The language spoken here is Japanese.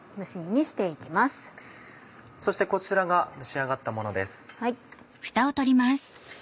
そしてこちらが蒸し上がったものです。